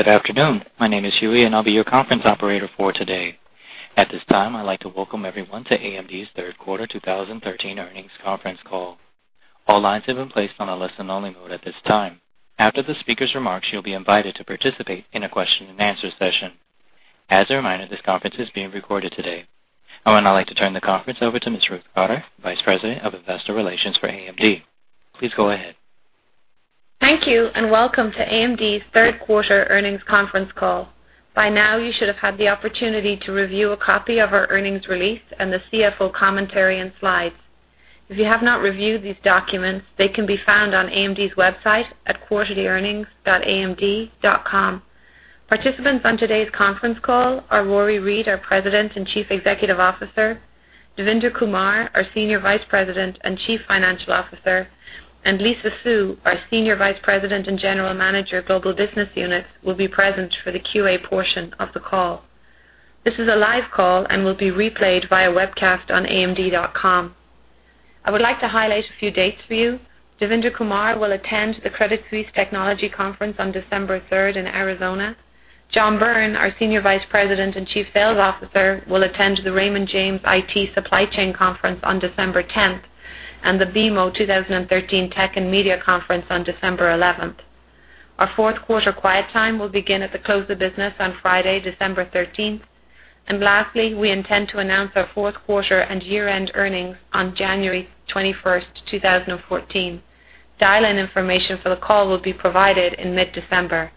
Good afternoon. My name is Huey and I'll be your conference operator for today. At this time, I'd like to welcome everyone to AMD's third quarter 2013 earnings conference call. All lines have been placed on a listen-only mode at this time. After the speaker's remarks, you'll be invited to participate in a question-and-answer session. As a reminder, this conference is being recorded today. I would now like to turn the conference over to Ms. Ruth Cotter, Vice President of Investor Relations for AMD. Please go ahead. Thank you. Welcome to AMD's third quarter earnings conference call. By now, you should have had the opportunity to review a copy of our earnings release and the CFO commentary and slides. If you have not reviewed these documents, they can be found on AMD's website at quarterlyearnings.amd.com. Participants on today's conference call are Rory Read, our President and Chief Executive Officer, Devinder Kumar, our Senior Vice President and Chief Financial Officer, and Lisa Su, our Senior Vice President and General Manager, Global Business Unit will be present for the QA portion of the call. This is a live call and will be replayed via webcast on amd.com. I would like to highlight a few dates for you. Devinder Kumar will attend the Credit Suisse Technology Conference on December 3rd in Arizona. John Byrne, our Senior Vice President and Chief Sales Officer, will attend the Raymond James IT Supply Chain Conference on December 10th, and the BMO 2013 Tech & Media Conference on December 11th. Our fourth quarter quiet time will begin at the close of business on Friday, December 13th. Lastly, we intend to announce our fourth quarter and year-end earnings on January 21st, 2014. Dial-in information for the call will be provided in mid-December.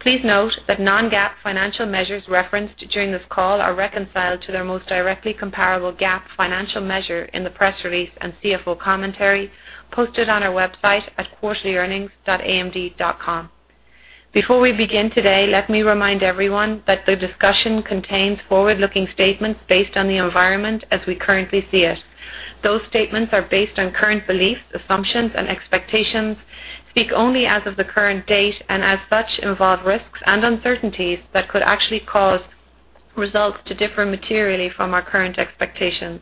Please note that non-GAAP financial measures referenced during this call are reconciled to their most directly comparable GAAP financial measure in the press release and CFO commentary posted on our website at quarterlyearnings.amd.com. Before we begin today, let me remind everyone that the discussion contains forward-looking statements based on the environment as we currently see it. Those statements are based on current beliefs, assumptions, and expectations, speak only as of the current date, and as such involve risks and uncertainties that could actually cause results to differ materially from our current expectations.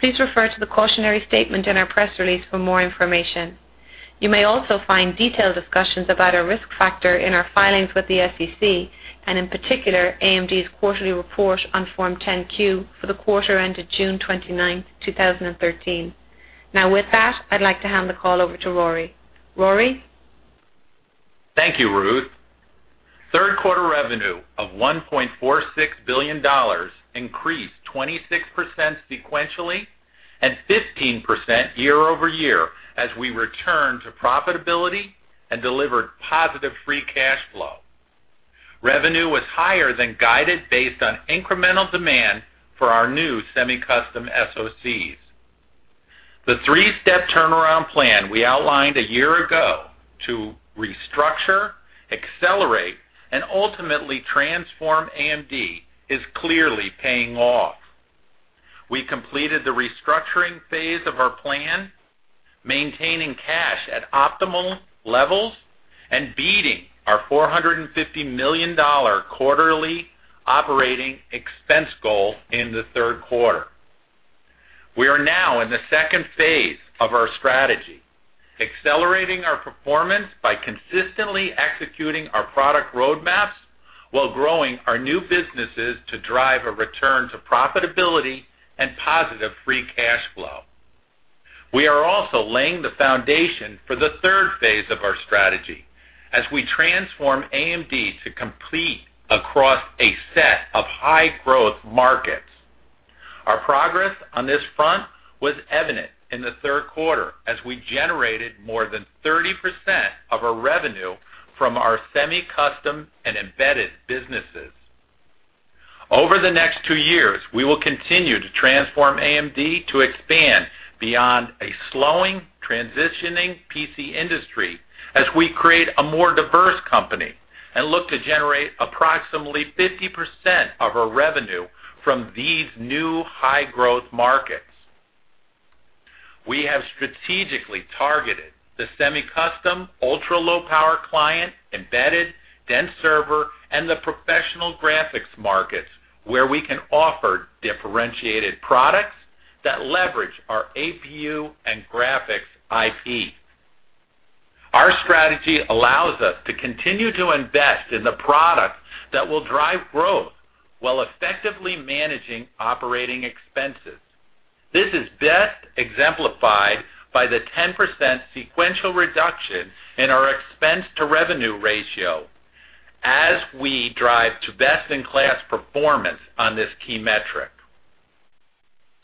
Please refer to the cautionary statement in our press release for more information. You may also find detailed discussions about our risk factor in our filings with the SEC, and in particular, AMD's quarterly report on Form 10-Q for the quarter ended June 29th, 2013. With that, I'd like to hand the call over to Rory. Rory? Thank you, Ruth. Third quarter revenue of $1.46 billion increased 26% sequentially and 15% year-over-year as we return to profitability and delivered positive free cash flow. Revenue was higher than guided based on incremental demand for our new semi-custom SOCs. The three-step turnaround plan we outlined a year ago to restructure, accelerate, and ultimately transform AMD is clearly paying off. We completed the restructuring phase of our plan, maintaining cash at optimal levels and beating our $450 million quarterly operating expense goal in the third quarter. We are now in the second phase of our strategy, accelerating our performance by consistently executing our product roadmaps while growing our new businesses to drive a return to profitability and positive free cash flow. We are also laying the foundation for the third phase of our strategy as we transform AMD to compete across a set of high-growth markets. Our progress on this front was evident in the third quarter as we generated more than 30% of our revenue from our semi-custom and embedded businesses. Over the next two years, we will continue to transform AMD to expand beyond a slowing, transitioning PC industry as we create a more diverse company and look to generate approximately 50% of our revenue from these new high-growth markets. We have strategically targeted the semi-custom, ultra-low-power client, embedded, dense server, and the professional graphics markets where we can offer differentiated products that leverage our APU and graphics IP. Our strategy allows us to continue to invest in the products that will drive growth while effectively managing operating expenses. This is best exemplified by the 10% sequential reduction in our expense-to-revenue ratio as we drive to best-in-class performance on this key metric.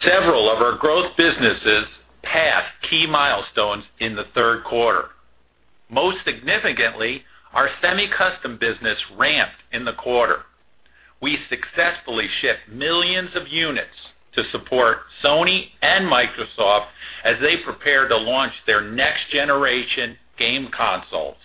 Several of our growth businesses passed key milestones in the third quarter. Most significantly, our semi-custom business ramped in the quarter. We successfully shipped millions of units to support Sony and Microsoft as they prepare to launch their next-generation game consoles.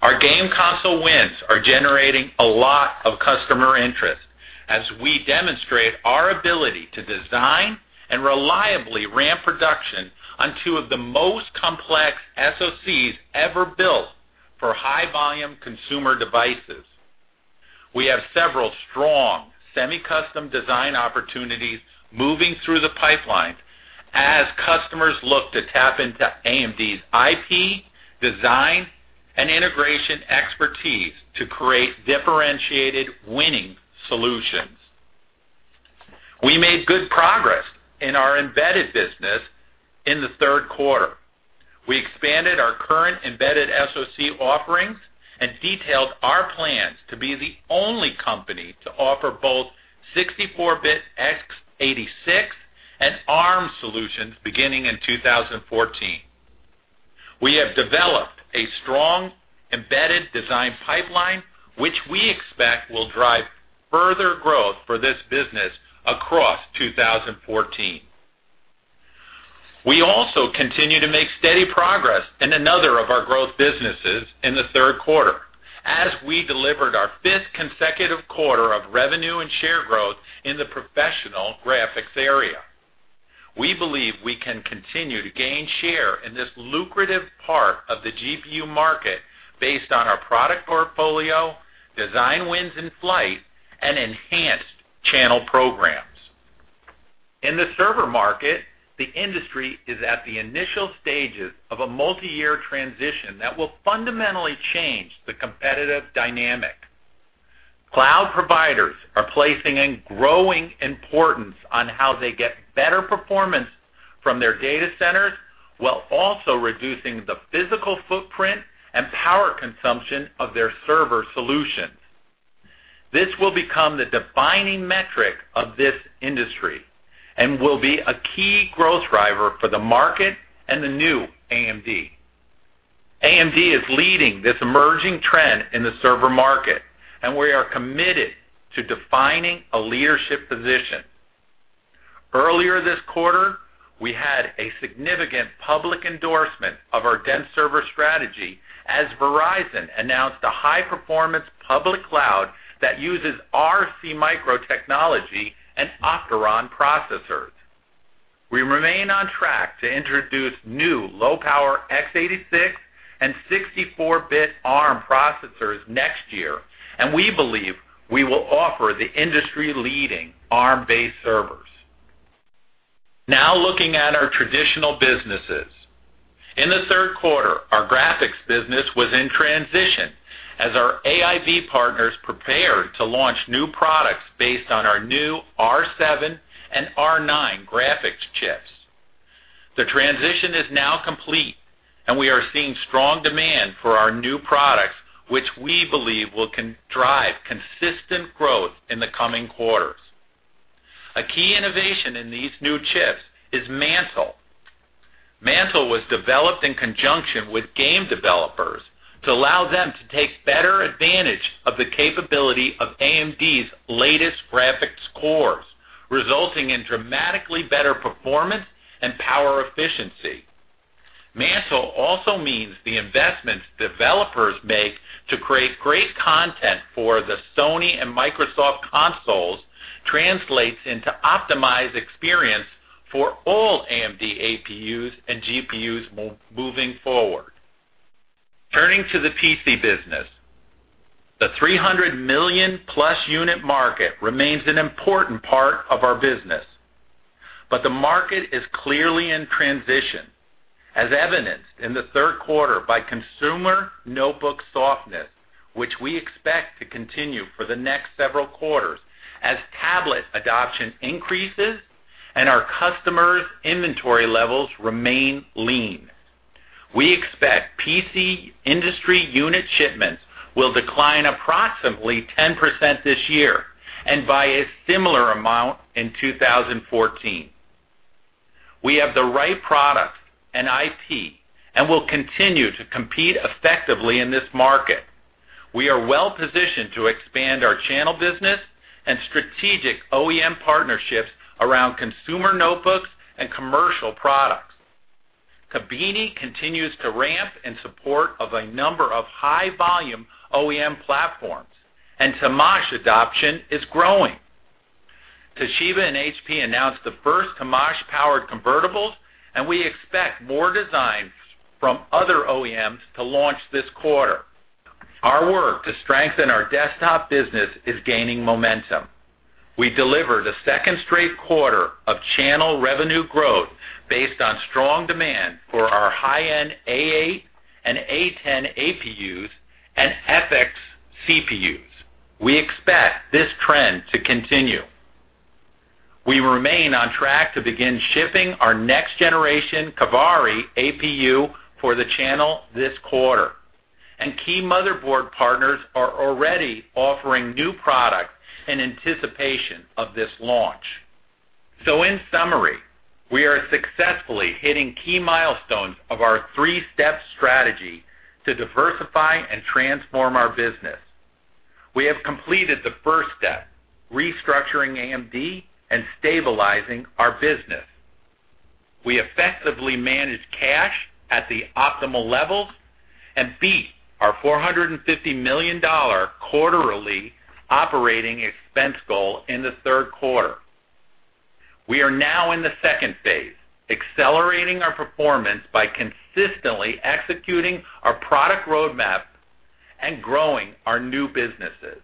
Our game console wins are generating a lot of customer interest as we demonstrate our ability to design and reliably ramp production on two of the most complex SOCs ever built for high-volume consumer devices. We have several strong semi-custom design opportunities moving through the pipeline as customers look to tap into AMD's IP design and integration expertise to create differentiated winning solutions. We made good progress in our embedded business in the third quarter. We expanded our current embedded SoC offerings and detailed our plans to be the only company to offer both 64-bit X86 and Arm solutions beginning in 2014. We have developed a strong embedded design pipeline, which we expect will drive further growth for this business across 2014. We also continue to make steady progress in another of our growth businesses in the third quarter as we delivered our fifth consecutive quarter of revenue and share growth in the professional graphics area. We believe we can continue to gain share in this lucrative part of the GPU market based on our product portfolio, design wins in flight, and enhanced channel programs. In the server market, the industry is at the initial stages of a multi-year transition that will fundamentally change the competitive dynamic. Cloud providers are placing a growing importance on how they get better performance from their data centers while also reducing the physical footprint and power consumption of their server solutions. This will become the defining metric of this industry and will be a key growth driver for the market and the new AMD. AMD is leading this emerging trend in the server market, and we are committed to defining a leadership position. Earlier this quarter, we had a significant public endorsement of our dense server strategy as Verizon announced a high-performance public cloud that uses our SeaMicro technology and Opteron processors. We remain on track to introduce new low-power X86 and 64-bit Arm processors next year, and we believe we will offer the industry-leading Arm-based servers. Now looking at our traditional businesses. In the third quarter, our graphics business was in transition as our AIB partners prepared to launch new products based on our new Radeon R7 and Radeon R9 graphics chips. The transition is now complete, and we are seeing strong demand for our new products, which we believe will drive consistent growth in the coming quarters. A key innovation in these new chips is Mantle. Mantle was developed in conjunction with game developers to allow them to take better advantage of the capability of AMD's latest graphics cores, resulting in dramatically better performance and power efficiency. Mantle also means the investments developers make to create great content for the Sony and Microsoft consoles translates into optimized experience for all AMD APUs and GPUs moving forward. Turning to the PC business. The 300-million-plus unit market remains an important part of our business. The market is clearly in transition, as evidenced in the third quarter by consumer notebook softness, which we expect to continue for the next several quarters as tablet adoption increases and our customers' inventory levels remain lean. We expect PC industry unit shipments will decline approximately 10% this year and by a similar amount in 2014. We have the right product and IP and will continue to compete effectively in this market. We are well-positioned to expand our channel business and strategic OEM partnerships around consumer notebooks and commercial products. Kabini continues to ramp in support of a number of high-volume OEM platforms, and Temash adoption is growing. Toshiba and HP announced the first Temash-powered convertibles, and we expect more designs from other OEMs to launch this quarter. Our work to strengthen our desktop business is gaining momentum. We delivered a second straight quarter of channel revenue growth based on strong demand for our high-end A8 and A10 APUs and FX CPUs. We expect this trend to continue. We remain on track to begin shipping our next generation Kaveri APU for the channel this quarter, and key motherboard partners are already offering new products in anticipation of this launch. In summary, we are successfully hitting key milestones of our three-step strategy to diversify and transform our business. We have completed the first step, restructuring AMD and stabilizing our business. We effectively managed cash at the optimal levels and beat our $450 million quarterly operating expense goal in the third quarter. We are now in the second phase, accelerating our performance by consistently executing our product roadmap and growing our new businesses.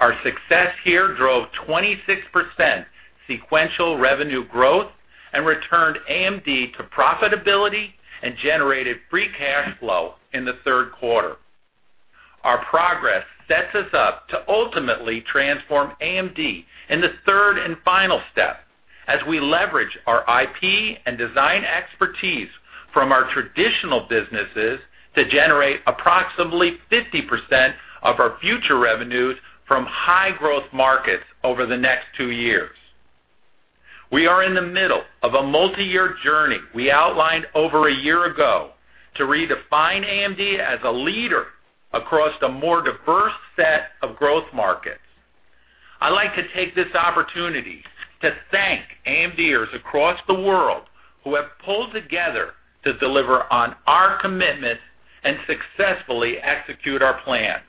Our success here drove 26% sequential revenue growth and returned AMD to profitability and generated free cash flow in the third quarter. Our progress sets us up to ultimately transform AMD in the third and final step as we leverage our IP and design expertise from our traditional businesses to generate approximately 50% of our future revenues from high growth markets over the next two years. We are in the middle of a multi-year journey we outlined over a year ago to redefine AMD as a leader across a more diverse set of growth markets. I'd like to take this opportunity to thank AMDers across the world who have pulled together to deliver on our commitments and successfully execute our plans.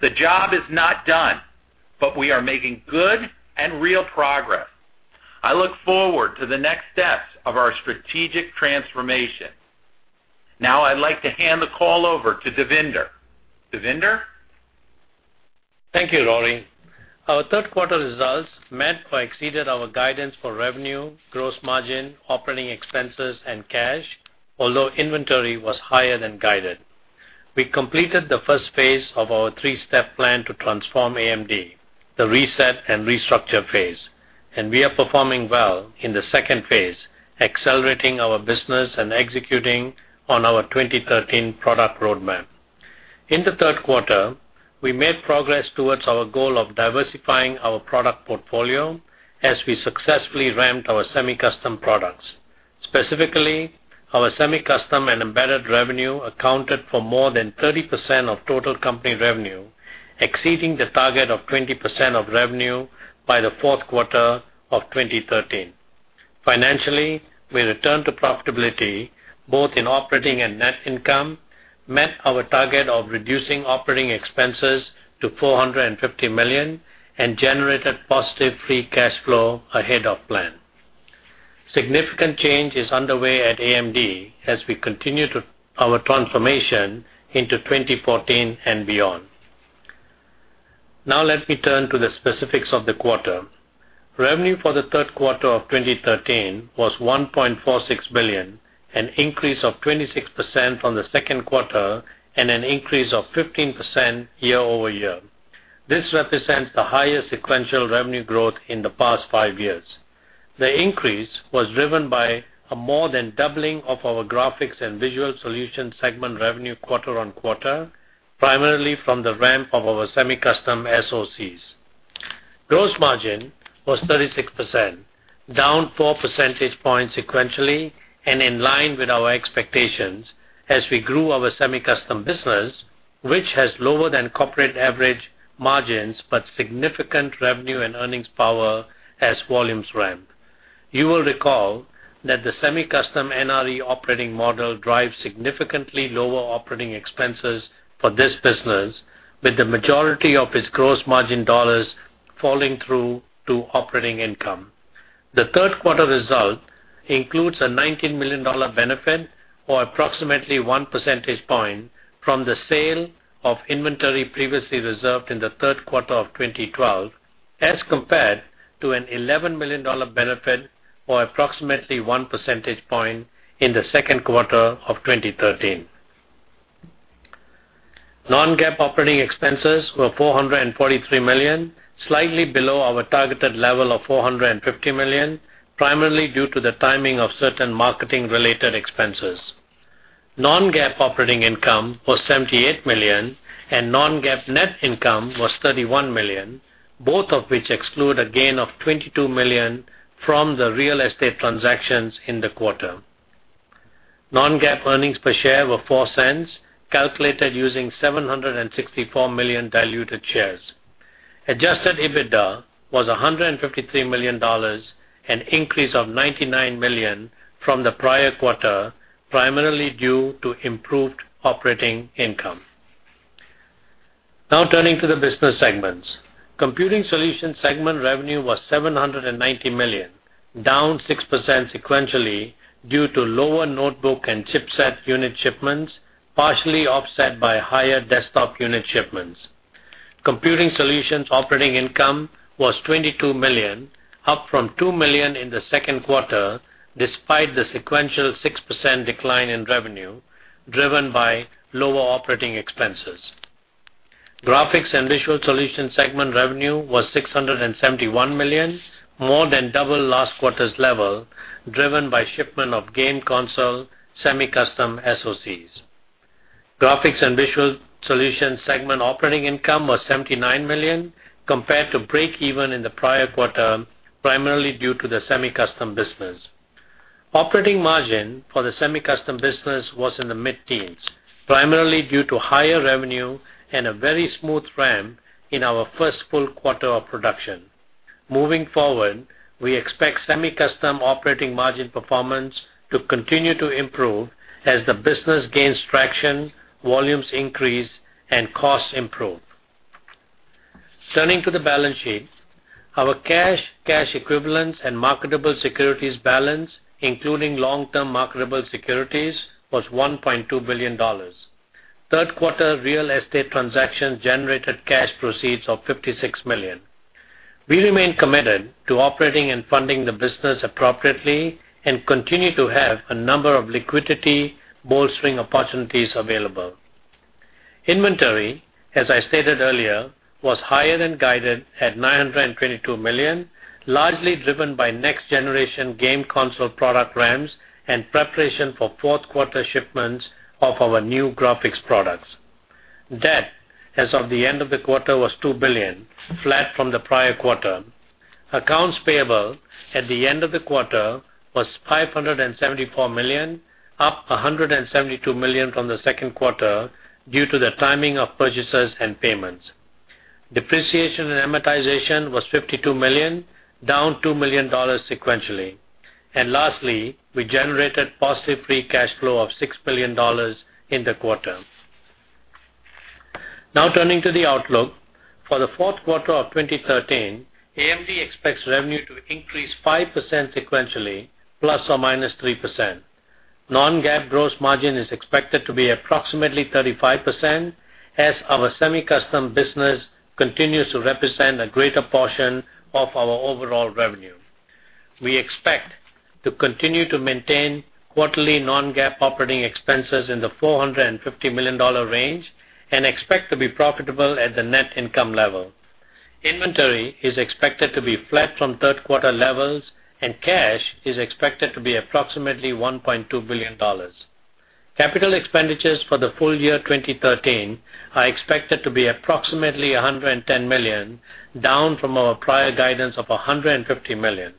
The job is not done, but we are making good and real progress. I look forward to the next steps of our strategic transformation. I'd like to hand the call over to Devinder. Devinder? Thank you, Rory. Our third quarter results met or exceeded our guidance for revenue, gross margin, operating expenses, and cash, although inventory was higher than guided. We completed the first phase of our three-step plan to transform AMD, the reset and restructure phase, and we are performing well in the second phase, accelerating our business and executing on our 2013 product roadmap. In the third quarter, we made progress towards our goal of diversifying our product portfolio as we successfully ramped our semi-custom products. Specifically, our semi-custom and embedded revenue accounted for more than 30% of total company revenue, exceeding the target of 20% of revenue by the fourth quarter of 2013. Financially, we returned to profitability both in operating and net income, met our target of reducing operating expenses to $450 million, and generated positive free cash flow ahead of plan. Significant change is underway at AMD as we continue our transformation into 2014 and beyond. Let me turn to the specifics of the quarter. Revenue for the third quarter of 2013 was $1.46 billion, an increase of 26% from the second quarter and an increase of 15% year-over-year. This represents the highest sequential revenue growth in the past five years. The increase was driven by a more than doubling of our graphics and visual solutions segment revenue quarter-over-quarter, primarily from the ramp of our semi-custom SOCs. Gross margin was 36%, down four percentage points sequentially and in line with our expectations as we grew our semi-custom business, which has lower than corporate average margins, but significant revenue and earnings power as volumes ramp. You will recall that the semi-custom NRE operating model drives significantly lower operating expenses for this business with the majority of its gross margin dollars falling through to operating income. The third quarter result includes a $19 million benefit or approximately one percentage point from the sale of inventory previously reserved in the third quarter of 2012 as compared to an $11 million benefit or approximately one percentage point in the second quarter of 2013. Non-GAAP operating expenses were $443 million, slightly below our targeted level of $450 million, primarily due to the timing of certain marketing related expenses. Non-GAAP operating income was $78 million, and non-GAAP net income was $31 million, both of which exclude a gain of $22 million from the real estate transactions in the quarter. Non-GAAP earnings per share were $0.04, calculated using 764 million diluted shares. Adjusted EBITDA was $153 million, an increase of $99 million from the prior quarter, primarily due to improved operating income. Turning to the business segments. Computing solutions segment revenue was $790 million, down 6% sequentially due to lower notebook and chipset unit shipments, partially offset by higher desktop unit shipments. Computing solutions operating income was $22 million, up from $2 million in the second quarter, despite the sequential 6% decline in revenue driven by lower operating expenses. Graphics and visual solutions segment revenue was $671 million, more than double last quarter's level, driven by shipment of game console semi-custom SOCs. Graphics and visual solutions segment operating income was $79 million, compared to breakeven in the prior quarter, primarily due to the semi-custom business. Operating margin for the semi-custom business was in the mid-teens, primarily due to higher revenue and a very smooth ramp in our first full quarter of production. Moving forward, we expect semi-custom operating margin performance to continue to improve as the business gains traction, volumes increase, and costs improve. Turning to the balance sheet. Our cash equivalents, and marketable securities balance, including long-term marketable securities, was $1.2 billion. Third quarter real estate transactions generated cash proceeds of $56 million. We remain committed to operating and funding the business appropriately and continue to have a number of liquidity bolstering opportunities available. Inventory, as I stated earlier, was higher than guided at $922 million, largely driven by next-generation game console product ramps and preparation for fourth-quarter shipments of our new graphics products. Debt as of the end of the quarter was $2 billion, flat from the prior quarter. Accounts payable at the end of the quarter were $574 million, up $172 million from the second quarter due to the timing of purchases and payments. Depreciation and amortization was $52 million, down $2 million sequentially. Lastly, we generated positive free cash flow of $6 million in the quarter. Turning to the outlook. For the fourth quarter of 2013, AMD expects revenue to increase 5% sequentially, ±3%. Non-GAAP gross margin is expected to be approximately 35% as our semi-custom business continues to represent a greater portion of our overall revenue. We expect to continue to maintain quarterly non-GAAP operating expenses in the $450 million range and expect to be profitable at the net income level. Inventory is expected to be flat from third-quarter levels, and cash is expected to be approximately $1.2 billion. Capital expenditures for the full year 2013 are expected to be approximately $110 million, down from our prior guidance of $150 million.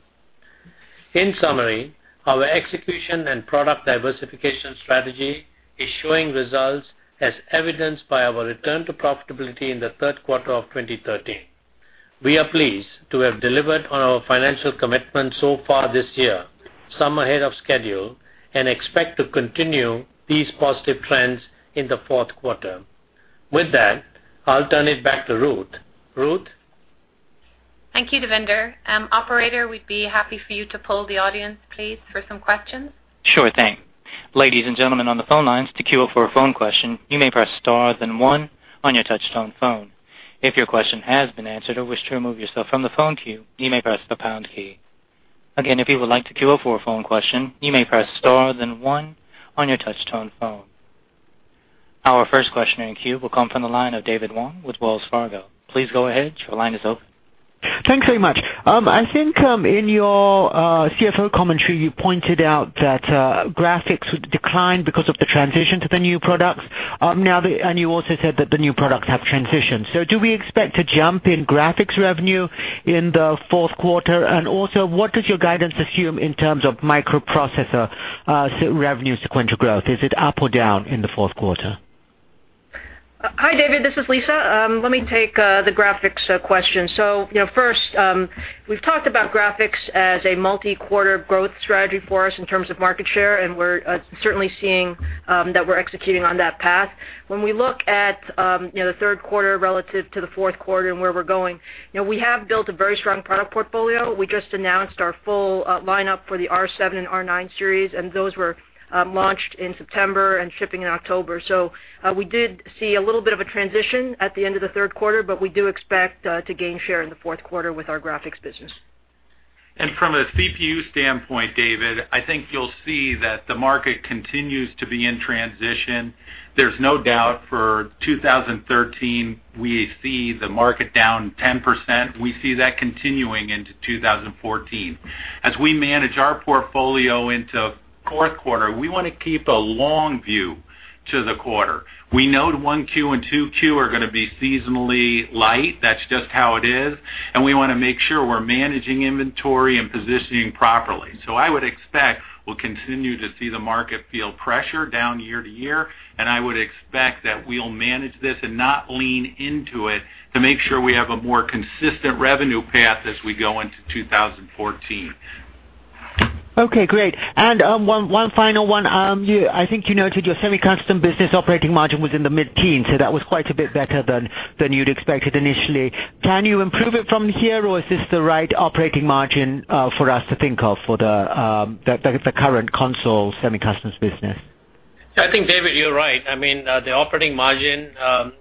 In summary, our execution and product diversification strategy is showing results as evidenced by our return to profitability in the third quarter of 2013. We are pleased to have delivered on our financial commitments so far this year, some ahead of schedule, and expect to continue these positive trends in the fourth quarter. With that, I'll turn it back to Ruth. Ruth? Thank you, Devinder. Operator, we'd be happy for you to poll the audience, please, for some questions. Sure thing. Ladies and gentlemen on the phone lines, to queue up for a phone question, you may press star, then one on your touch-tone phone. If your question has been answered or wish to remove yourself from the phone queue, you may press the pound key. Again, if you would like to queue up for a phone question, you may press star, then one on your touch-tone phone. Our first question in queue will come from the line of David Wong with Wells Fargo. Please go ahead. Your line is open. Thanks very much. I think in your CFO commentary, you pointed out that graphics would decline because of the transition to the new products. You also said that the new products have transitioned. Do we expect a jump in graphics revenue in the fourth quarter? Also, what does your guidance assume in terms of microprocessor revenue sequential growth? Is it up or down in the fourth quarter? Hi, David, this is Lisa. Let me take the graphics question. First, we've talked about graphics as a multi-quarter growth strategy for us in terms of market share, and we're certainly seeing that we're executing on that path. When we look at the third quarter relative to the fourth quarter and where we're going, we have built a very strong product portfolio. We just announced our full lineup for the R7 and R9 series, and those were launched in September and shipping in October. We did see a little bit of a transition at the end of the third quarter, but we do expect to gain share in the fourth quarter with our graphics business. From a CPU standpoint, David, I think you'll see that the market continues to be in transition. There's no doubt for 2013, we see the market down 10%. We see that continuing into 2014. As we manage our portfolio into the fourth quarter, we want to keep a long view to the quarter. We know that 1Q and 2Q are going to be seasonally light. That's just how it is, and we want to make sure we're managing inventory and positioning properly. I would expect we'll continue to see the market feel pressure down year-to-year, and I would expect that we'll manage this and not lean into it to make sure we have a more consistent revenue path as we go into 2014. Okay, great. One final one. I think you noted your semi-custom business operating margin was in the mid-teens, that was quite a bit better than you'd expected initially. Can you improve it from here, or is this the right operating margin for us to think of for the current console semi-custom business? I think, David, you're right. The operating margin,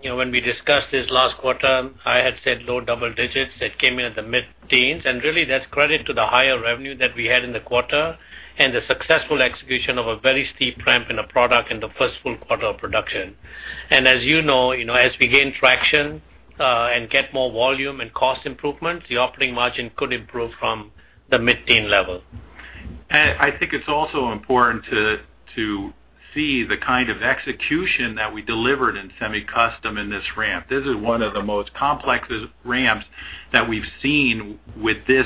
when we discussed this last quarter, I had said low double digits. It came in at the mid-teens, really that's credit to the higher revenue that we had in the quarter and the successful execution of a very steep ramp in a product in the first full quarter of production. As you know, as we gain traction and get more volume and cost improvements, the operating margin could improve from the mid-teen level. I think it's also important to see the kind of execution that we delivered in semi-custom in this ramp. This is one of the most complex ramps that we've seen with this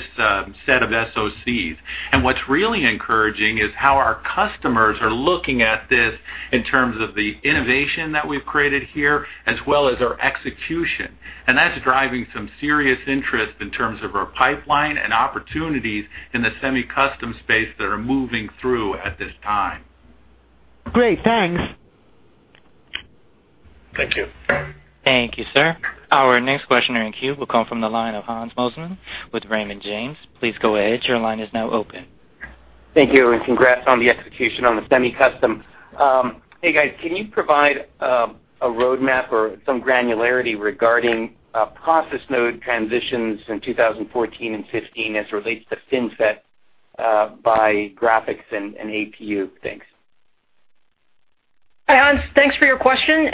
set of SOCs. What's really encouraging is how our customers are looking at this in terms of the innovation that we've created here, as well as our execution. That's driving some serious interest in terms of our pipeline and opportunities in the semi-custom space that are moving through at this time. Great. Thanks. Thank you. Thank you, sir. Our next question in queue will come from the line of Hans Mosesmann with Raymond James. Please go ahead. Your line is now open. Thank you, and congrats on the execution on the semi-custom. Hey, guys. Can you provide a roadmap or some granularity regarding process node transitions in 2014 and 2015 as it relates to FinFET by graphics and APU? Thanks. Hi, Hans. Thanks for your question.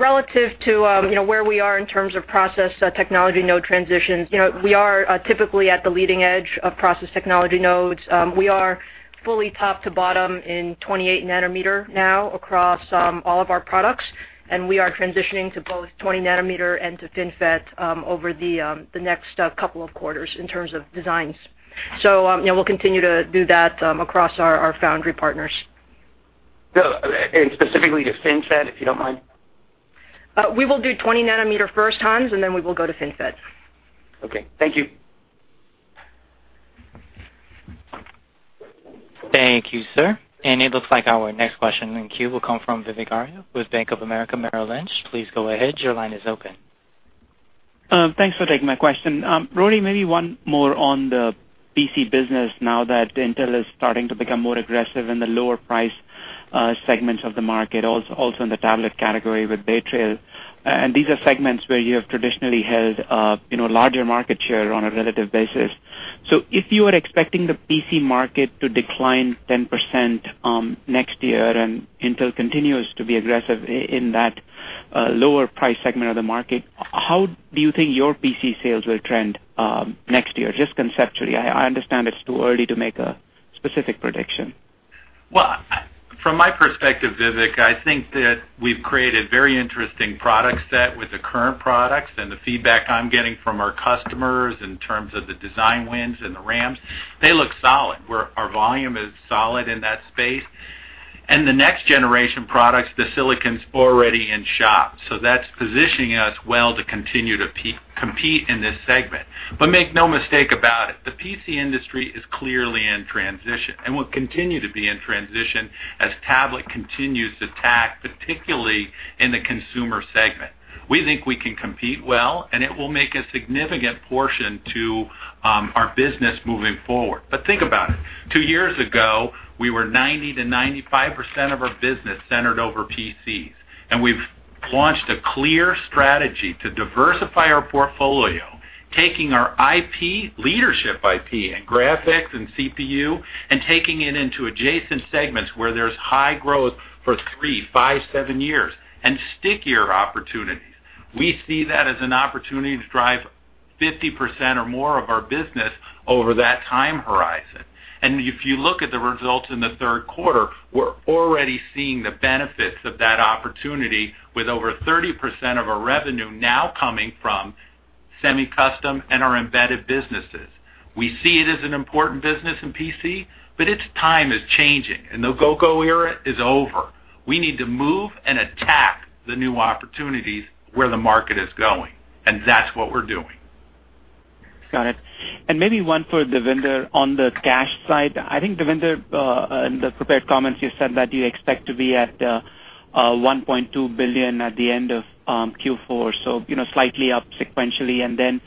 Relative to where we are in terms of process technology node transitions, we are typically at the leading edge of process technology nodes. We are fully top to bottom in 28 nanometer now across all of our products, and we are transitioning to both 20 nanometer and to FinFET, over the next couple of quarters in terms of designs. We'll continue to do that across our foundry partners. Specifically to FinFET, if you don't mind? We will do 20 nanometer first, Hans, and then we will go to FinFET. Okay. Thank you. Thank you, sir. It looks like our next question in queue will come from Vivek Arya with Bank of America Merrill Lynch. Please go ahead. Your line is open. Thanks for taking my question. Rory, maybe one more on the PC business now that Intel is starting to become more aggressive in the lower price segments of the market, also in the tablet category with Bay Trail. These are segments where you have traditionally held larger market share on a relative basis. If you are expecting the PC market to decline 10% next year and Intel continues to be aggressive in that lower price segment of the market, how do you think your PC sales will trend next year? Just conceptually. I understand it's too early to make a specific prediction. Well, from my perspective, Vivek, I think that we've created very interesting product set with the current products and the feedback I'm getting from our customers in terms of the design wins and the ramps, they look solid, where our volume is solid in that space. The next generation products, the silicon's already in shop, that's positioning us well to continue to compete in this segment. Make no mistake about it, the PC industry is clearly in transition and will continue to be in transition as tablet continues to tack, particularly in the consumer segment. We think we can compete well, it will make a significant portion to our business moving forward. Think about it. Two years ago, we were 90%-95% of our business centered over PCs, we've launched a clear strategy to diversify our portfolio, taking our IP, leadership IP in graphics and CPU, taking it into adjacent segments where there's high growth for three, five, seven years and stickier opportunities. We see that as an opportunity to drive 50% or more of our business over that time horizon. If you look at the results in the third quarter, we're already seeing the benefits of that opportunity with over 30% of our revenue now coming from semi-custom and our embedded businesses. We see it as an important business in PC, its time is changing, the go-go era is over. We need to move and attack the new opportunities where the market is going, that's what we're doing. Maybe one for Devinder on the cash side. I think, Devinder, in the prepared comments you said that you expect to be at $1.2 billion at the end of Q4, so slightly up sequentially, and then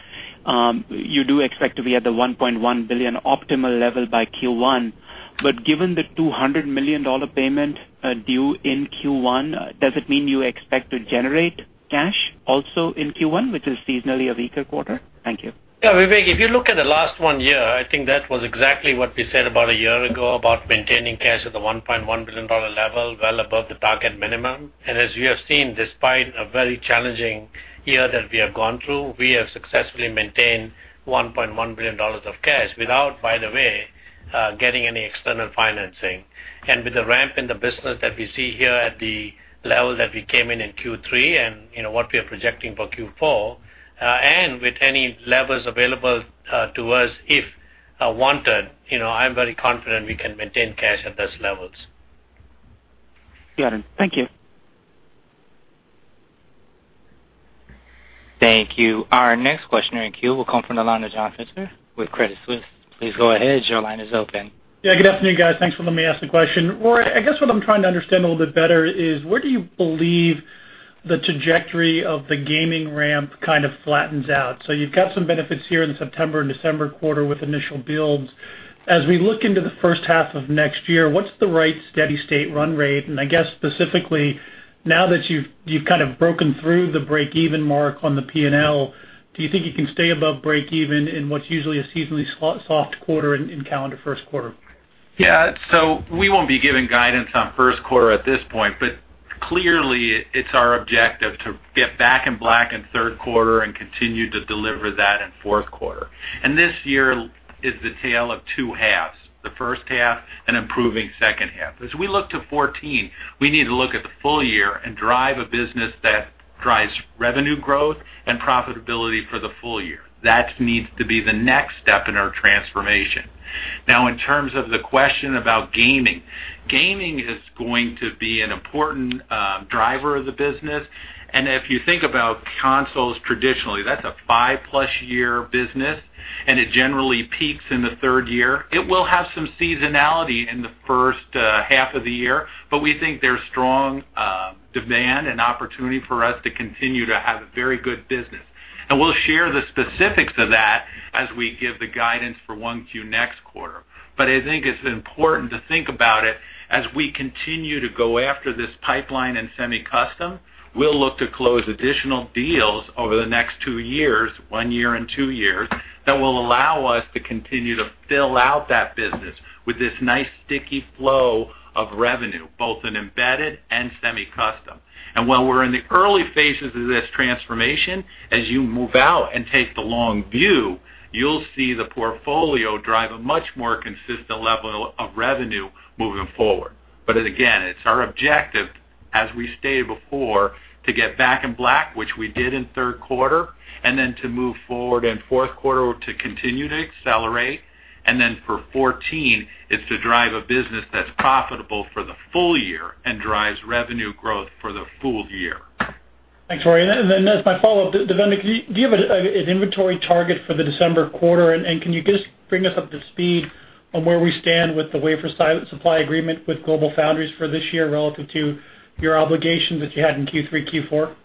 you do expect to be at the $1.1 billion optimal level by Q1. Given the $200 million payment due in Q1, does it mean you expect to generate cash also in Q1, which is seasonally a weaker quarter? Thank you. Yeah, Vivek, if you look at the last one year, I think that was exactly what we said about a year ago about maintaining cash at the $1.1 billion level, well above the target minimum. As we have seen, despite a very challenging year that we have gone through, we have successfully maintained $1.1 billion of cash without, by the way, getting any external financing. With the ramp in the business that we see here at the level that we came in in Q3, and what we are projecting for Q4, and with any levers available to us if wanted, I'm very confident we can maintain cash at those levels. Got it. Thank you. Thank you. Our next question in queue will come from the line of John Pitzer with Credit Suisse. Please go ahead. Your line is open. Yeah, good afternoon, guys. Thanks for letting me ask the question. Rory, I guess what I'm trying to understand a little bit better is where do you believe the trajectory of the gaming ramp kind of flattens out? You've got some benefits here in the September and December quarter with initial builds. As we look into the first half of next year, what's the right steady state run rate? I guess specifically, now that you've kind of broken through the break-even mark on the P&L, do you think you can stay above break even in what's usually a seasonally soft quarter in calendar first quarter? Yeah. We won't be giving guidance on first quarter at this point, but clearly it's our objective to get back in black in third quarter and continue to deliver that in fourth quarter. This year is the tale of two halves, the first half and improving second half. As we look to 2014, we need to look at the full year and drive a business that drives revenue growth and profitability for the full year. That needs to be the next step in our transformation. In terms of the question about gaming is going to be an important driver of the business. If you think about consoles traditionally, that's a 5-plus year business. It generally peaks in the third year. It will have some seasonality in the first half of the year, but we think there's strong demand and opportunity for us to continue to have very good business. We'll share the specifics of that as we give the guidance for 1Q next quarter. I think it's important to think about it, as we continue to go after this pipeline and semi-custom, we'll look to close additional deals over the next two years, one year and two years, that will allow us to continue to fill out that business with this nice sticky flow of revenue, both in embedded and semi-custom. While we're in the early phases of this transformation, as you move out and take the long view, you'll see the portfolio drive a much more consistent level of revenue moving forward. Again, it's our objective, as we stated before, to get back in black, which we did in the third quarter, and then to move forward in the fourth quarter to continue to accelerate. For 2014, it's to drive a business that's profitable for the full year and drives revenue growth for the full year. Thanks, Rory. As my follow-up, Devinder, do you have an inventory target for the December quarter? Can you just bring us up to speed on where we stand with the wafer supply agreement with GlobalFoundries for this year relative to your obligations that you had in Q3, Q4?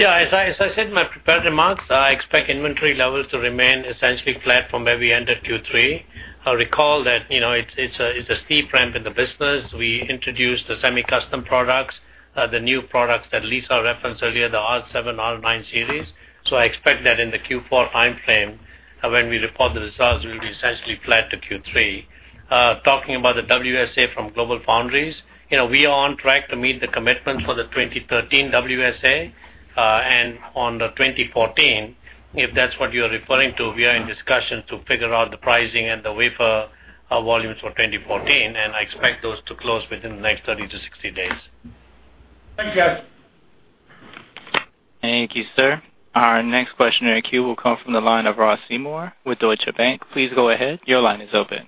As I said in my prepared remarks, I expect inventory levels to remain essentially flat from where we ended Q3. I recall that it's a steep ramp in the business. We introduced the semi-custom products, the new products that Lisa referenced earlier, the Radeon R7, Radeon R9 series. I expect that in the Q4 timeframe, when we report the results, we'll be essentially flat to Q3. Talking about the WSA from GlobalFoundries, we are on track to meet the commitment for the 2013 WSA. On the 2014, if that's what you're referring to, we are in discussions to figure out the pricing and the wafer volumes for 2014, I expect those to close within the next 30 to 60 days. Thanks, guys. Thank you, sir. Our next question in our queue will come from the line of Ross Seymore with Deutsche Bank. Please go ahead. Your line is open.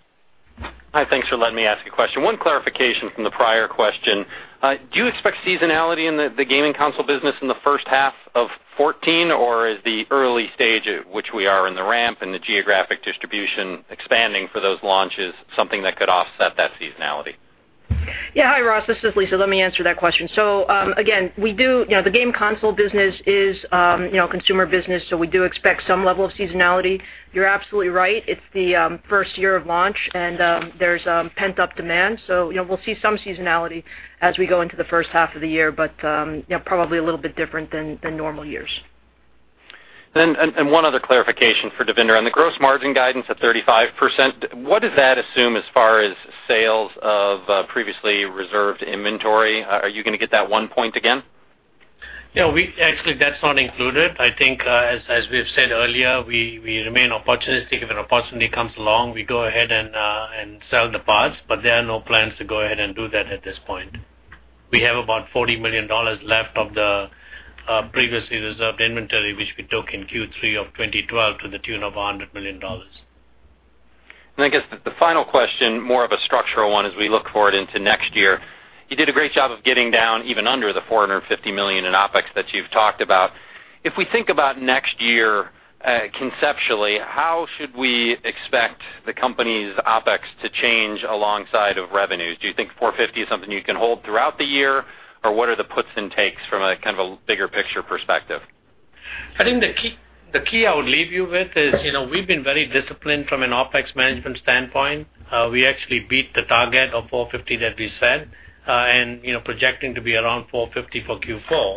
Hi, thanks for letting me ask a question. One clarification from the prior question. Do you expect seasonality in the gaming console business in the first half of 2014, or is the early stage at which we are in the ramp and the geographic distribution expanding for those launches something that could offset that seasonality? Yeah. Hi, Ross. This is Lisa. Let me answer that question. Again, the game console business is consumer business, we do expect some level of seasonality. You're absolutely right. It's the first year of launch, and there's pent-up demand. We'll see some seasonality as we go into the first half of the year, but probably a little bit different than normal years. One other clarification for Devinder. On the gross margin guidance of 35%, what does that assume as far as sales of previously reserved inventory? Are you going to get that one point again? Yeah, actually, that's not included. I think, as we've said earlier, we remain opportunistic. If an opportunity comes along, we go ahead and sell the parts, there are no plans to go ahead and do that at this point. We have about $40 million left of the previously reserved inventory, which we took in Q3 of 2012 to the tune of $100 million. I guess the final question, more of a structural one as we look forward into next year. You did a great job of getting down even under the $450 million in OpEx that you've talked about. If we think about next year conceptually, how should we expect the company's OpEx to change alongside of revenues? Do you think $450 is something you can hold throughout the year? What are the puts and takes from a bigger picture perspective? I think the key I would leave you with is, we've been very disciplined from an OpEx management standpoint. We actually beat the target of $450 that we set, and projecting to be around $450 for Q4.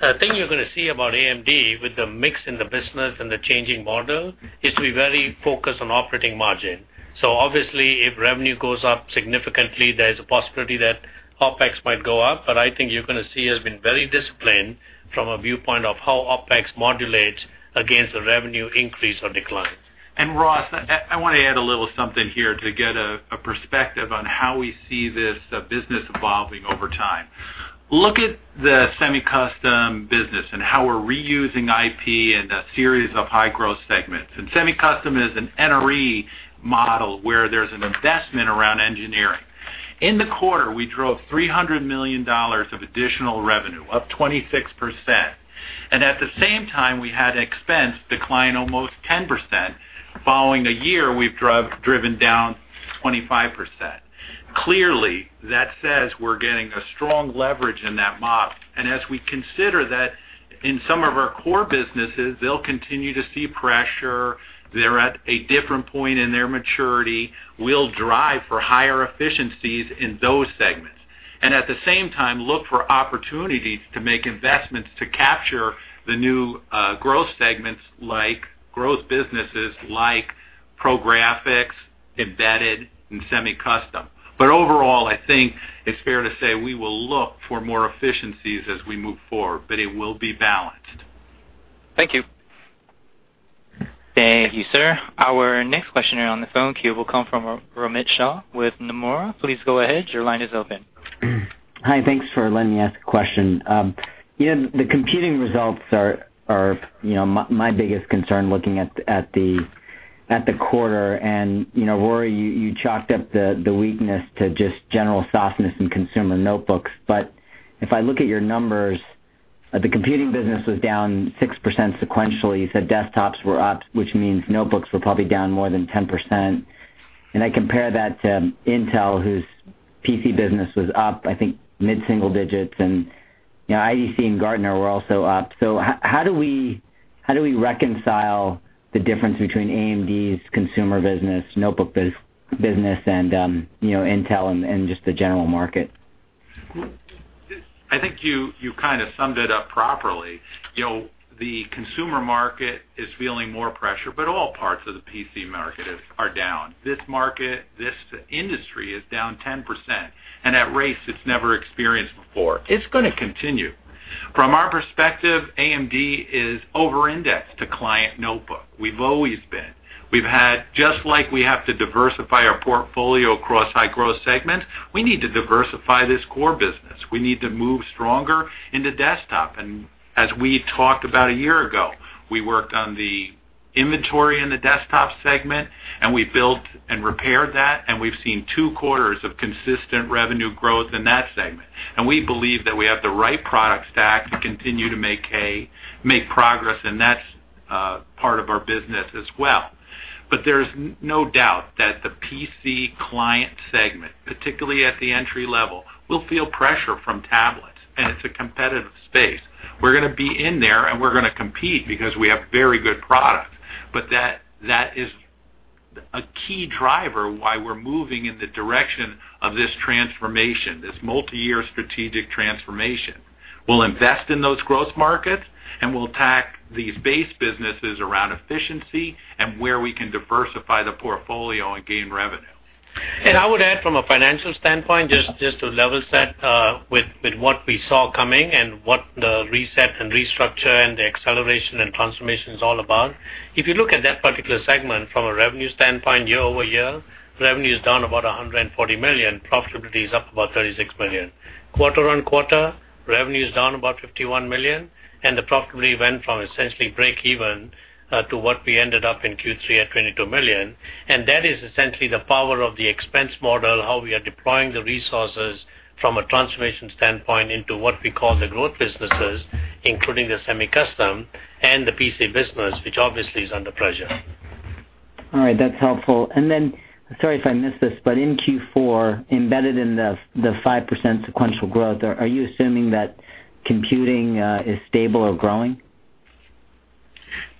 The thing you're going to see about AMD with the mix in the business and the changing model is we're very focused on operating margin. Obviously, if revenue goes up significantly, there's a possibility that OpEx might go up. I think you're going to see us being very disciplined from a viewpoint of how OpEx modulates against a revenue increase or decline. Ross, I want to add a little something here to get a perspective on how we see this business evolving over time. Look at the semi-custom business and how we're reusing IP in a series of high-growth segments. semi-custom is an NRE model where there's an investment around engineering. In the quarter, we drove $300 million of additional revenue, up 26%. At the same time, we had expense decline almost 10%, following a year we've driven down 25%. Clearly, that says we're getting a strong leverage in that model. As we consider that in some of our core businesses, they'll continue to see pressure. They're at a different point in their maturity. We'll drive for higher efficiencies in those segments. At the same time, look for opportunities to make investments to capture the new growth segments, like growth businesses, like pro graphics, embedded, and semi-custom. Overall, I think it's fair to say we will look for more efficiencies as we move forward, but it will be balanced. Thank you. Thank you, sir. Our next question on the phone queue will come from Romit Shah with Nomura. Please go ahead. Your line is open. Hi, thanks for letting me ask a question. The computing results are my biggest concern looking at the quarter. Rory, you chalked up the weakness to just general softness in consumer notebooks. If I look at your numbers, the computing business was down 6% sequentially. You said desktops were up, which means notebooks were probably down more than 10%. I compare that to Intel, whose PC business was up, I think, mid-single digits, and IDC and Gartner were also up. How do we reconcile the difference between AMD's consumer business, notebook business and Intel and just the general market? I think you kind of summed it up properly. The consumer market is feeling more pressure, All parts of the PC market are down. This market, this industry, is down 10%, and at rates it's never experienced before. It's going to continue. From our perspective, AMD is over-indexed to client notebook. We've always been. We've had, just like we have to diversify our portfolio across high-growth segments, we need to diversify this core business. We need to move stronger into desktop. As we talked about a year ago, we worked on the inventory in the desktop segment, and we built and repaired that, and we've seen two quarters of consistent revenue growth in that segment. We believe that we have the right product stack to continue to make progress in that part of our business as well. There's no doubt that the PC client segment, particularly at the entry level, will feel pressure from tablets, it's a competitive space. We're going to be in there, we're going to compete because we have very good products. That is a key driver why we're moving in the direction of this transformation, this multi-year strategic transformation. We'll invest in those growth markets, we'll attack these base businesses around efficiency and where we can diversify the portfolio and gain revenue. I would add from a financial standpoint, just to level set with what we saw coming and what the reset and restructure and the acceleration and transformation is all about. If you look at that particular segment from a revenue standpoint, year-over-year, revenue is down about $140 million, profitability is up about $36 million. Quarter-on-quarter, revenue is down about $51 million, the profitability went from essentially break even to what we ended up in Q3 at $22 million. That is essentially the power of the expense model, how we are deploying the resources from a transformation standpoint into what we call the growth businesses, including the semi-custom and the PC business, which obviously is under pressure. All right, that's helpful. Then, sorry if I missed this, in Q4, embedded in the 5% sequential growth, are you assuming that computing is stable or growing?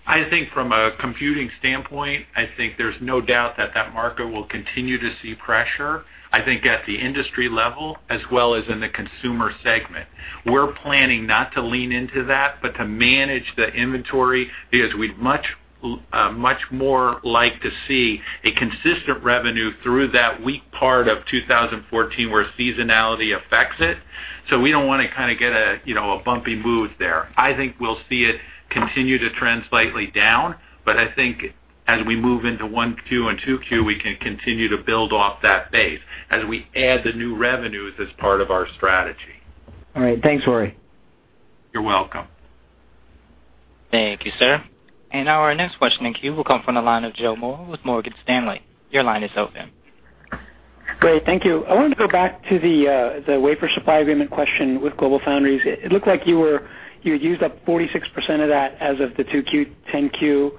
I think from a computing standpoint, I think there's no doubt that that market will continue to see pressure, I think at the industry level as well as in the consumer segment. We're planning not to lean into that, but to manage the inventory because we'd much more like to see a consistent revenue through that weak part of 2014 where seasonality affects it. We don't want to kind of get a bumpy move there. I think we'll see it continue to trend slightly down, I think as we move into 1Q and 2Q, we can continue to build off that base as we add the new revenues as part of our strategy. All right. Thanks, Rory. You're welcome. Thank you, sir. Now our next question in queue will come from the line of Joseph Moore with Morgan Stanley. Your line is open. Great. Thank you. I wanted to go back to the wafer supply agreement question with GlobalFoundries. It looked like you had used up 46% of that as of the 2Q 10-Q.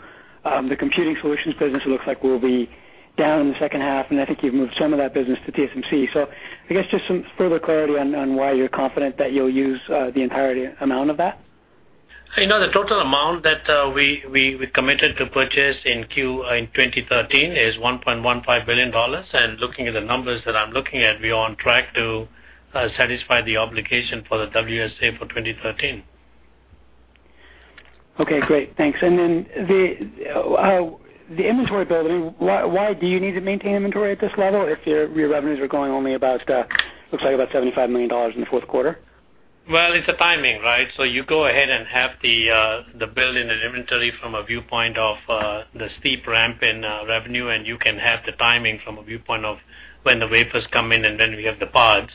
The computing solutions business looks like will be down in the second half, and I think you've moved some of that business to TSMC. I guess just some further clarity on why you're confident that you'll use the entirety amount of that. The total amount that we committed to purchase in 2013 is $1.15 billion. Looking at the numbers that I'm looking at, we are on track to satisfy the obligation for the WSA for 2013. Okay, great. Thanks. Then the inventory building, why do you need to maintain inventory at this level if your revenues are going only about, looks like, about $75 million in the fourth quarter? Well, it's the timing, right? You go ahead and have the build in the inventory from a viewpoint of the steep ramp in revenue. You can have the timing from a viewpoint of when the wafers come in and then we have the pods.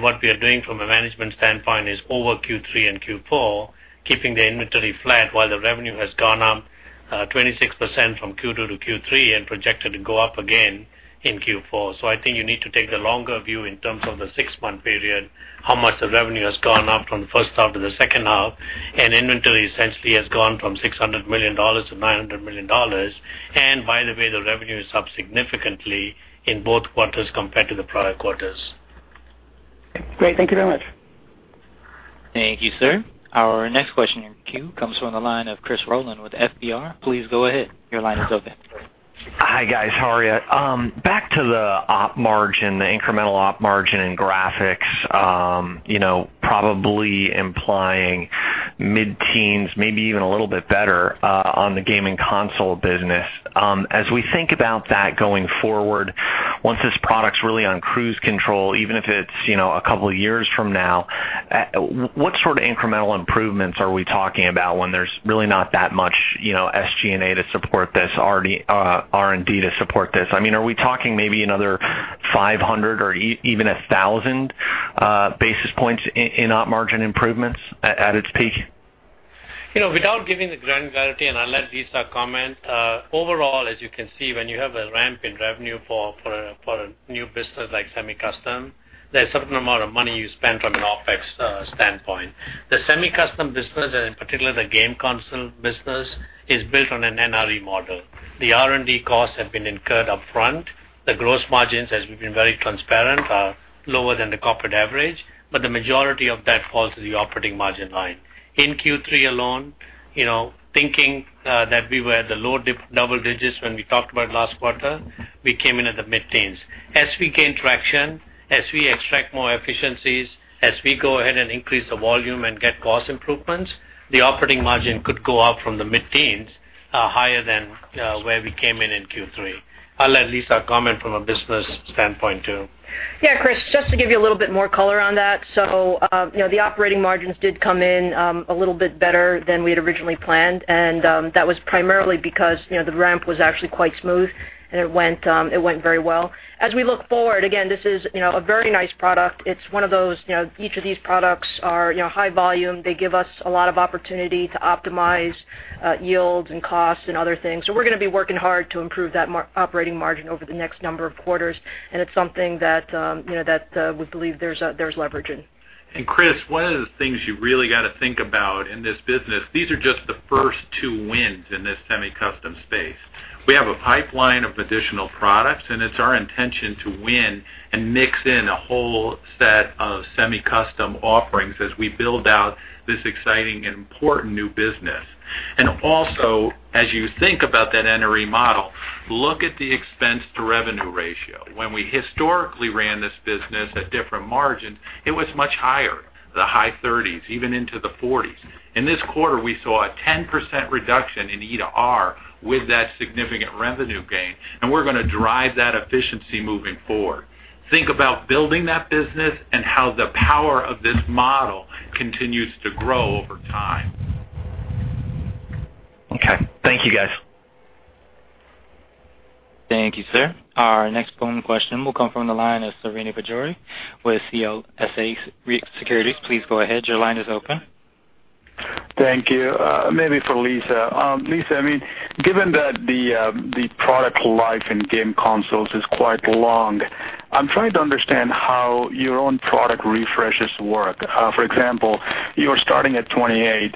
What we are doing from a management standpoint is over Q3 and Q4, keeping the inventory flat while the revenue has gone up 26% from Q2 to Q3 and projected to go up again in Q4. I think you need to take the longer view in terms of the six-month period, how much the revenue has gone up from the first half to the second half, and inventory essentially has gone from $600 million to $900 million. By the way, the revenue is up significantly in both quarters compared to the prior quarters. Great. Thank you very much. Thank you, sir. Our next question in queue comes from the line of Christopher Rolland with FBR. Please go ahead. Your line is open. Hi, guys. How are you? Back to the op margin, the incremental op margin in graphics, probably implying mid-teens, maybe even a little bit better on the gaming console business. As we think about that going forward, once this product's really on cruise control, even if it's a couple of years from now, what sort of incremental improvements are we talking about when there's really not that much SG&A to support this, R&D to support this? I mean, are we talking maybe another 500 or even 1,000 basis points in op margin improvements at its peak? Without giving the granularity, I'll let Lisa comment, overall, as you can see, when you have a ramp in revenue for a new business like semi-custom, there's a certain amount of money you spend from an OPEX standpoint. The semi-custom business, in particular the game console business, is built on an NRE model. The R&D costs have been incurred upfront. The gross margins, as we've been very transparent, are lower than the corporate average, the majority of that falls to the operating margin line. In Q3 alone, thinking that we were at the low double digits when we talked about it last quarter, we came in at the mid-teens. As we gain traction, as we extract more efficiencies, as we go ahead and increase the volume and get cost improvements, the operating margin could go up from the mid-teens, higher than where we came in Q3. I'll let Lisa comment from a business standpoint, too. The operating margins did come in a little bit better than we had originally planned, and that was primarily because the ramp was actually quite smooth, and it went very well. As we look forward, again, this is a very nice product. It's one of those, each of these products are high volume. They give us a lot of opportunity to optimize yields and costs and other things. We're going to be working hard to improve that operating margin over the next number of quarters, and it's something that we believe there's leverage in. Chris, one of the things you've really got to think about in this business, these are just the first two wins in this semi-custom space. We have a pipeline of additional products, and it's our intention to win and mix in a whole set of semi-custom offerings as we build out this exciting and important new business. Also, as you think about that NRE model, look at the expense-to-revenue ratio. When we historically ran this business at different margins, it was much higher, the high 30s, even into the 40s. In this quarter, we saw a 10% reduction in E to R with that significant revenue gain, and we're going to drive that efficiency moving forward. Think about building that business and how the power of this model continues to grow over time. Thank you, guys. Thank you, sir. Our next phone question will come from the line of Srini Pajjuri with CLSA Securities. Please go ahead. Your line is open. Thank you. Maybe for Lisa. Lisa, given that the product life in game consoles is quite long, I'm trying to understand how your own product refreshes work. For example, you're starting at 28,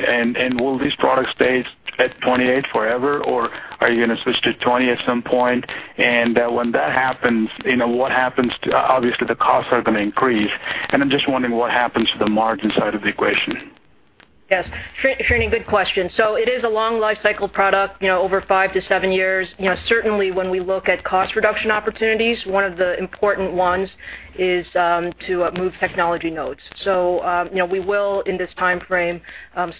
will these products stay at 28 forever, or are you going to switch to 20 at some point? When that happens, what happens to, obviously, the costs are going to increase, and I'm just wondering what happens to the margin side of the equation. Yes. Srini, good question. It is a long life cycle product, over five to seven years. Certainly, when we look at cost reduction opportunities, one of the important ones is to move technology nodes. We will, in this time frame,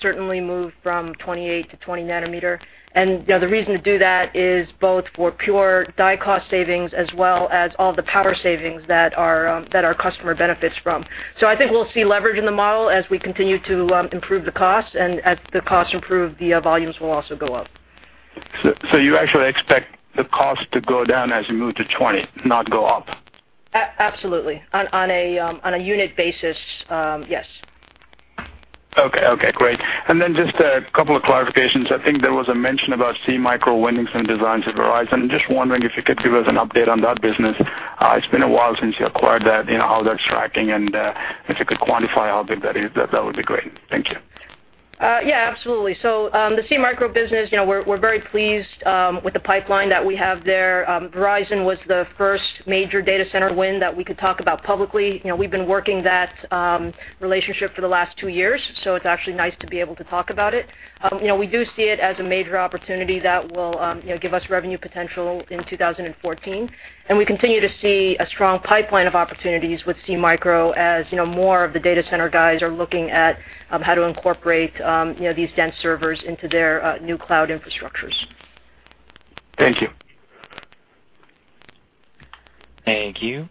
certainly move from 28 to 20 nanometer. The reason to do that is both for pure die cost savings as well as all the power savings that our customer benefits from. I think we'll see leverage in the model as we continue to improve the cost, and as the cost improve, the volumes will also go up. You actually expect the cost to go down as you move to 20, not go up? Absolutely. On a unit basis, yes. Okay. Great. Just a couple of clarifications. I think there was a mention about SeaMicro winning some designs at Verizon. I'm just wondering if you could give us an update on that business. It's been a while since you acquired that, how that's tracking, and if you could quantify how big that is, that would be great. Thank you. Yeah, absolutely. The SeaMicro business, we're very pleased with the pipeline that we have there. Verizon was the first major data center win that we could talk about publicly. We've been working that relationship for the last two years, so it's actually nice to be able to talk about it. We do see it as a major opportunity that will give us revenue potential in 2014. We continue to see a strong pipeline of opportunities with SeaMicro as more of the data center guys are looking at how to incorporate these dense servers into their new cloud infrastructures. Thank you. Thank you.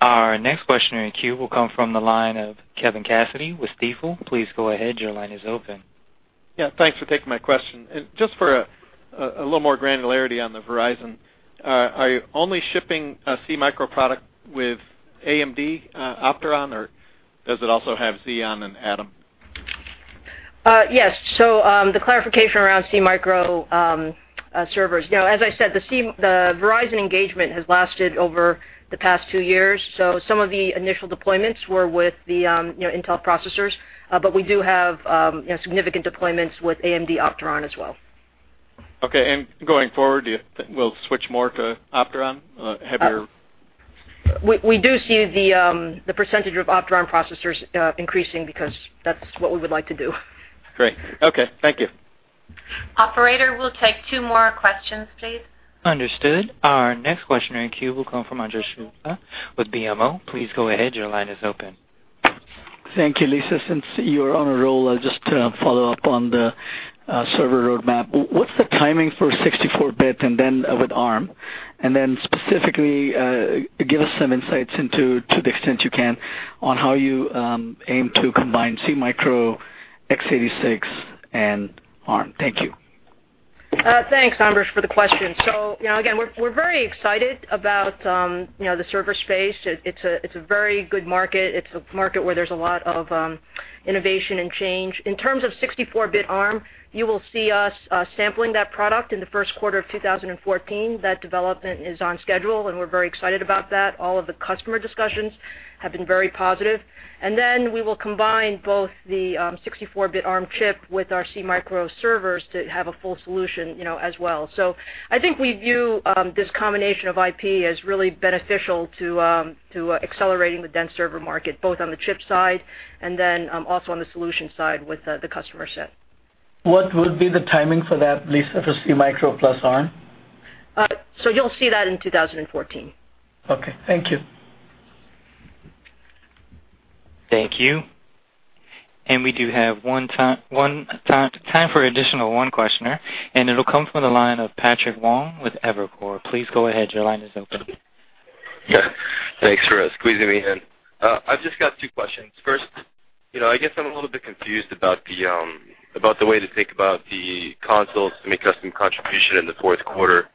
Our next question in queue will come from the line of Kevin Cassidy with Stifel. Please go ahead, your line is open. Yeah, thanks for taking my question. Just for a little more granularity on the Verizon, are you only shipping a SeaMicro product with AMD Opteron, or does it also have Xeon and Atom? Yes. The clarification around SeaMicro servers. As I said, the Verizon engagement has lasted over the past two years, some of the initial deployments were with the Intel processors, we do have significant deployments with AMD Opteron as well. Okay. Going forward, do you think we'll switch more to Opteron? We do see the percentage of Opteron processors increasing because that's what we would like to do. Great. Okay. Thank you. Operator, we'll take two more questions, please. Understood. Our next question in queue will come from Ambrish Srivastava with BMO. Please go ahead, your line is open. Thank you, Lisa. Since you're on a roll, I'll just follow up on the server roadmap. What's the timing for 64-bit and then with Arm? Specifically, give us some insights into, to the extent you can, on how you aim to combine SeaMicro, X86, and Arm. Thank you. Thanks, Ambrish, for the question. Again, we're very excited about the server space. It's a very good market. It's a market where there's a lot of innovation and change. In terms of 64-bit Arm, you will see us sampling that product in the first quarter of 2014. That development is on schedule, and we're very excited about that. All of the customer discussions have been very positive. Then we will combine both the 64-bit Arm chip with our SeaMicro servers to have a full solution as well. I think we view this combination of IP as really beneficial to accelerating the dense server market, both on the chip side and then also on the solution side with the customer set. What would be the timing for that release of a SeaMicro plus Arm? You'll see that in 2014. Okay. Thank you. Thank you. We do have time for additional one questioner, and it will come from the line of Patrick Wong with Evercore. Please go ahead. Your line is open. Yeah. Thanks for squeezing me in. I've just got two questions. First, I guess I'm a little bit confused about the way to think about the consoles to semi-custom contribution in the fourth quarter.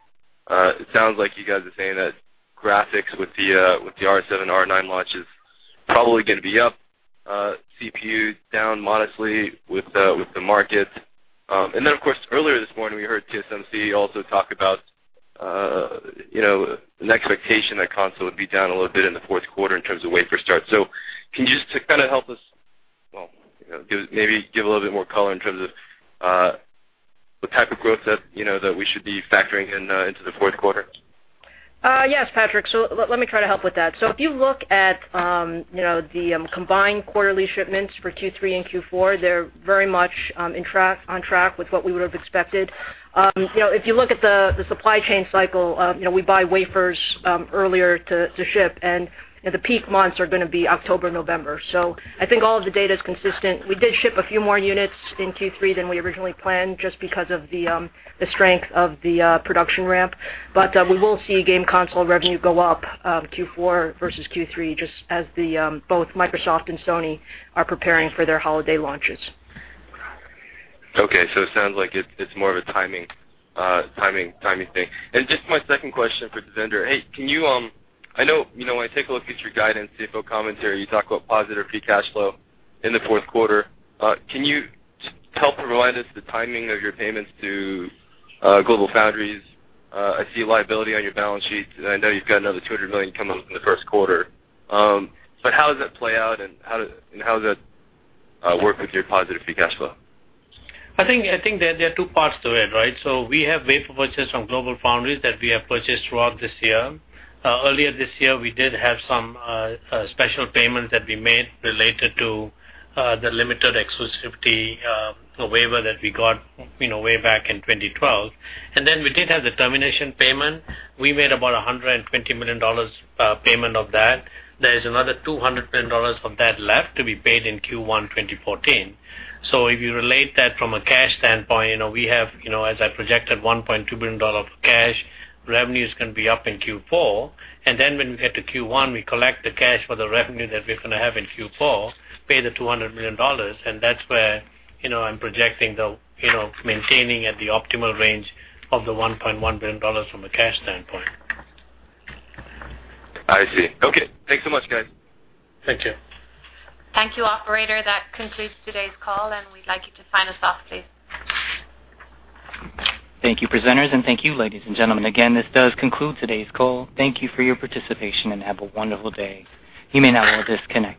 It sounds like you guys are saying that graphics with the R7, R9 launch is probably going to be up, CPU down modestly with the market. Then, of course, earlier this morning, we heard TSMC also talk about an expectation that console would be down a little bit in the fourth quarter in terms of wafer starts. Can you just kind of help us, well, maybe give a little bit more color in terms of the type of growth that we should be factoring in into the fourth quarter? Yes, Patrick. Let me try to help with that. If you look at the combined quarterly shipments for Q3 and Q4, they're very much on track with what we would have expected. If you look at the supply chain cycle, we buy wafers earlier to ship, and the peak months are going to be October, November. I think all of the data is consistent. We did ship a few more units in Q3 than we originally planned, just because of the strength of the production ramp. We will see game console revenue go up Q4 versus Q3, just as both Microsoft and Sony are preparing for their holiday launches. Okay. It sounds like it's more of a timing thing. Just my second question for Devinder. I know when I take a look at your guidance, the CFO commentary, you talk about positive free cash flow in the fourth quarter. Can you help provide us the timing of your payments to GlobalFoundries? I see a liability on your balance sheet, and I know you've got another $200 million coming up in the first quarter. How does that play out, and how does that work with your positive free cash flow? I think there are two parts to it, right? We have wafer purchases from GlobalFoundries that we have purchased throughout this year. Earlier this year, we did have some special payments that we made related to the limited exclusivity waiver that we got way back in 2012. We did have the termination payment. We made about $120 million payment of that. There is another $200 million of that left to be paid in Q1 2014. If you relate that from a cash standpoint, we have, as I projected, $1.2 billion of cash. Revenue is going to be up in Q4. When we get to Q1, we collect the cash for the revenue that we're going to have in Q4, pay the $200 million. That's where I'm projecting maintaining at the optimal range of the $1.1 billion from a cash standpoint. I see. Okay. Thanks so much, guys. Thank you. Thank you, operator. That concludes today's call, we'd like you to sign us off, please. Thank you, presenters, and thank you, ladies and gentlemen. Again, this does conclude today's call. Thank you for your participation, and have a wonderful day. You may now all disconnect.